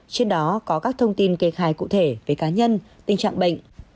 trên đó có các thông tin kê khai cụ thể về cá nhân tình trạng bệnh